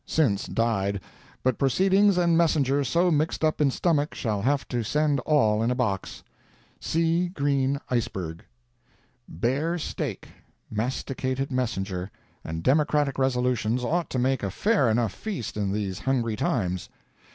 Since died, but proceedings and messenger so mixed up in stomach shall have to send all in a box. C. Green Iceberg. Bear steak, masticated messenger, and Democratic resolutions ought to make a fair enough feast in these hungry times.